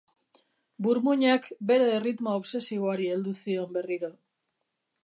Burmuinak bere erritmo obsesiboari heldu zion berriro.